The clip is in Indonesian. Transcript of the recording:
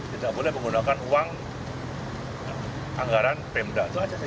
tidak boleh menggunakan uang anggaran pemda